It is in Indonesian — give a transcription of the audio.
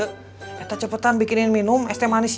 kita cepetan bikinin minum es temanis ya